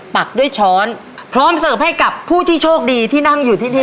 ปักด้วยช้อนพร้อมเสิร์ฟให้กับผู้ที่โชคดีที่นั่งอยู่ที่นี่